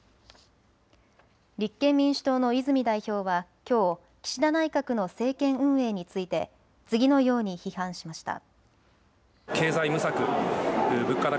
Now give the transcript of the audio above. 立憲民主党の泉代表はきょう岸田内閣の政権運営について次のように批判しました。